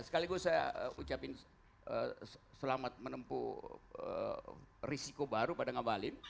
sekali gue ucapin selamat menempuh risiko baru pada ngabalin